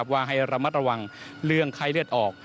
ว่าให้ระมัดระวังเรื่องไข้เลือดออก